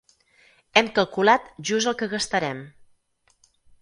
Hem calculat just el que gastarem.